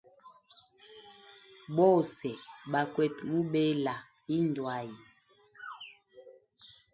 Bose bakwete mubela indu hayi.